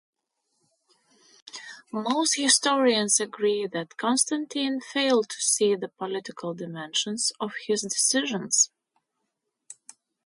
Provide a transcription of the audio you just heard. Most historians agree that Constantine failed to see the political dimensions of his decisions.